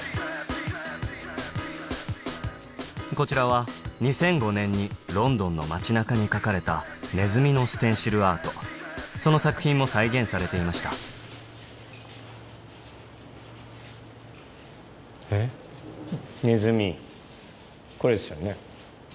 こちらは２００５年にロンドンの町中に描かれたネズミのステンシルアートその作品も再現されていましたこれですね。